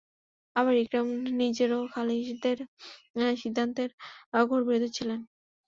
আবার ইকরামা নিজেও খালিদের সিদ্ধান্তের ঘোর বিরোধী ছিল।